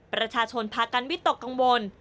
ประชาชนพากันวิตกกังวล